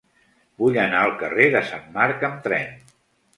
Vull anar al carrer de Sant Marc amb tren.